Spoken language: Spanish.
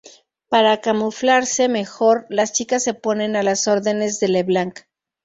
Para camuflarse mejor, las chicas se ponen a las órdenes de Leblanc.